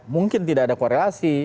mungkin tidak ada korelasi